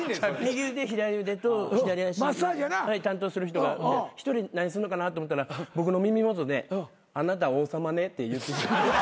右腕左腕と左足担当する人がいて１人何すんのかなと思ったら僕の耳元であなた王様ねって。